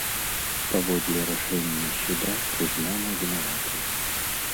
Паводле рашэння суда прызнана вінаватай.